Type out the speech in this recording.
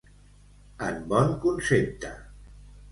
En bon concepte.